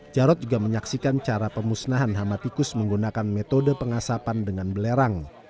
jarod juga menyaksikan cara pemusnahan hama tikus menggunakan metode pengasapan dengan belerang